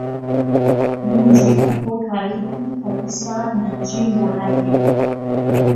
Mji upo karibu kabisa na jimbo lake.